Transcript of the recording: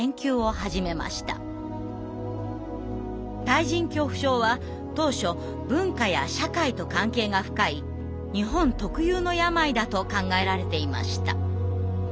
対人恐怖症は当初文化や社会と関係が深い日本特有の病だと考えられていました。